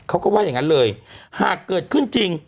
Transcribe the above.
เขาก็ว่าอย่างนั้นเลยหากเกิดขึ้นจริง